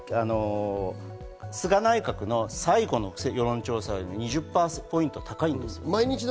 菅内閣の最後の世論調査よりも２０％高いんです。